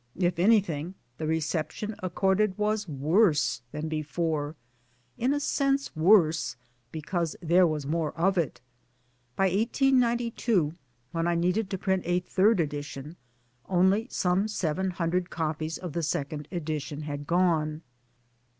If anything the reception accorded was worse than before in a sense worse because there was more of it ! By 1892 when I needed to print a third edition only some seven hundred copies of the second edition had gone.